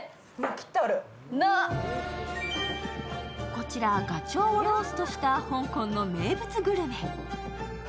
こちらガチョウをローストした香港の名物グルメ。